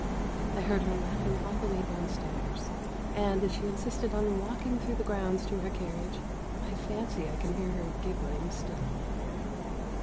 I heard her laughing all the way downstairs, and, as she insisted on walking through the grounds to her carriage, I fancy I can hear her giggling still.